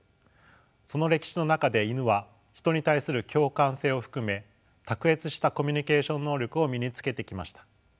その歴史の中でイヌはヒトに対する共感性を含め卓越したコミュニケーション能力を身につけてきました。